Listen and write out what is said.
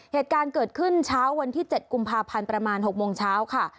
เหตุการณ์เกิดขึ้นเช้าวันที่๗กุมภาพันธ์ประมาณ๖โมงเช้าค่ะ